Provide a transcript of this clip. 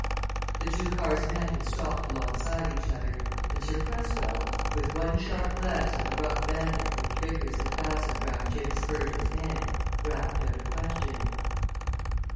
The two cars met and stopped alongside each other, and Sir Cresswell, with one sharp glance at the rough bandage which Vickers had fastened round Jim Spurge's head, rapped out a question.